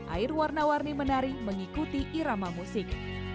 air warna warni menari mengikuti irama musik